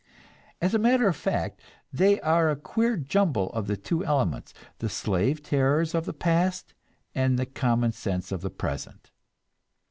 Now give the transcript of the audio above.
As a matter of fact they are a queer jumble of the two elements, the slave terrors of the past and the common sense of the present.